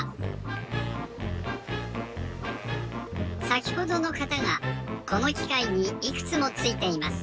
さきほどの型がこのきかいにいくつもついています。